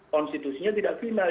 konstitusinya tidak final